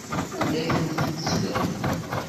Anda ay tent-tettlem?